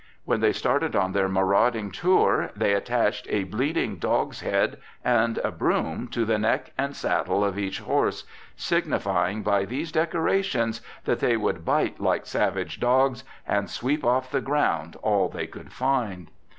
When they started on their marauding tour, they attached a bleeding dog's head and a broom to the neck and saddle of each horse, signifying by these decorations that they would bite like savage dogs and sweep off the ground all they could find.